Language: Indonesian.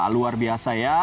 luar biasa ya